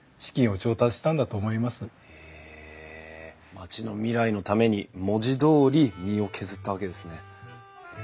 町の未来のために文字どおり身を削ったわけですね。